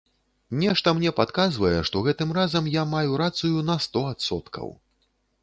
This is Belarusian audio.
Нешта мне падказвае, што гэтым разам я маю рацыю на сто адсоткаў.